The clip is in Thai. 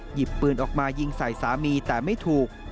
หยิบปืนออกมายิงใส่สามีแต่ไม่ถูก